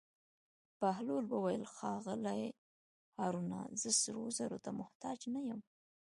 بهلول وویل: ښاغلی هارونه زه سرو زرو ته محتاج نه یم.